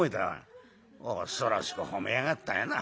「ああ恐ろしく褒めやがったよな。